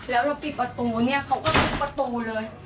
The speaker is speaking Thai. แล้วเราปิดประตูเนี่ยเขาก็ทุบประตูเลย